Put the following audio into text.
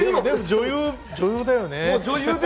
女優だよね。